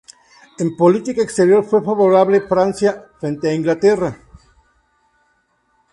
En política exterior, fue favorable a Francia frente a Inglaterra.